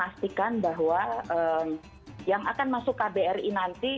pastikan bahwa yang akan masuk kbri nanti